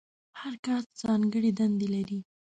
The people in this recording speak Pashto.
هر کاسټ ځانګړې دنده لرله.